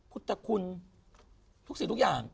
พุทธคุณทุกสิ่งทุกอย่าง